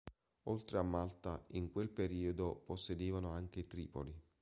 Oltre a Malta in quel periodo possedevano anche Tripoli.